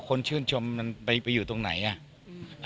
คนชื่นชมมันไปอยู่ตรงไหนอ่ะ